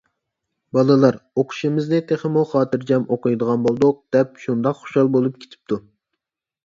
بالىلار: «ئوقۇشىمىزنى تېخىمۇ خاتىرجەم ئوقۇيدىغان بولدۇق» دەپ شۇنداق خۇشال بولۇپ كېتىپتۇ.